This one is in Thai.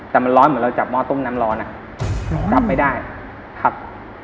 แต่มันร้อนเหมือนเราจับหม้อต้มน้ำร้อนอ่ะจับไม่ได้ครับ